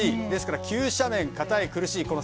ですから急斜面、硬い、苦しい。